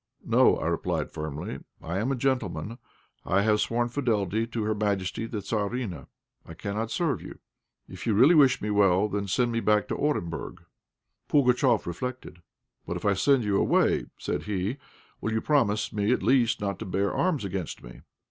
"No," I replied, firmly. "I am a gentleman. I have sworn fidelity to Her Majesty the Tzarina; I cannot serve you. If you really wish me well, send me back to Orenburg." Pugatchéf reflected. "But if I send you away," said he, "will you promise me at least not to bear arms against me?"